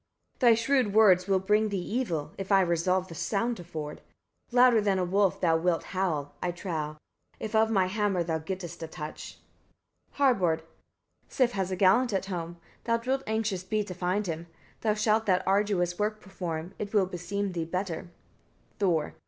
Thy shrewd words will bring thee evil, if I resolve the sound to ford. Louder than a wolf thou wilt howl, I trow, if of my hammer thou gettest a touch. Harbard. 48. Sif has a gallant at home; thou wilt anxious be to find him: thou shalt that arduous work perform; it will beseem thee better. Thor.